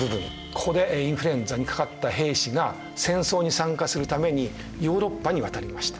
ここでインフルエンザにかかった兵士が戦争に参加するためにヨーロッパに渡りました。